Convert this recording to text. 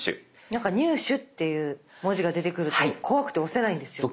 なんか入手っていう文字が出てくると怖くて押せないんですよ。